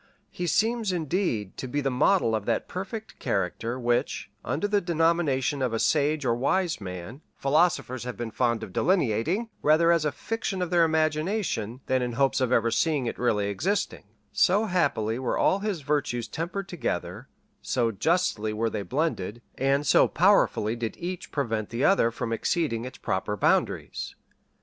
He seems, indeed, to be the model of that perfect character, which, under the denomination of a sage or wise man, philosophers have been fond of delineating, rather as a fiction of their imagination, than in hopes of ever seeing it really existing; so happily were all his virtues tempered together, so justly were they blended, and so powerfully did each prevent the other from exceeding its proper boundaries.